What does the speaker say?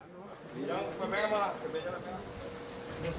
di yang ppm a